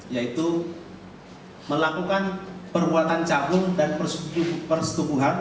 yaitu melakukan perbuatan cagung dan persetubuhan